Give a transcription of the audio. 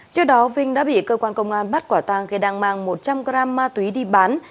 trước đó vinh đã bị cơ quan công an bắt quả tàng khi đang mang một trăm linh g ma túy đi bán